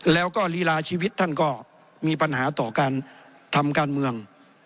แล้วก็ลีลาชีวิตท่านก็มีปัญหาต่อการทำการเมือง